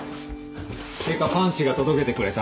てかパンチが届けてくれた。